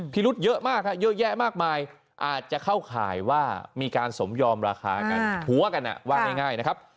รุธเยอะมากเยอะแยะมากมายอาจจะเข้าข่ายว่ามีการสมยอมราคากันหัวกันว่าง่ายนะครับ